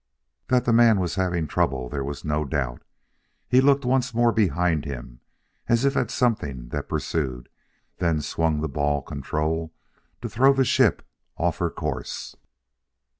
That the man was having trouble there was no doubt. He looked once more behind him as if at something that pursued; then swung the ball control to throw the ship off her course.